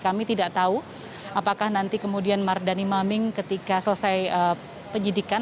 kami tidak tahu apakah nanti kemudian mardani maming ketika selesai penyidikan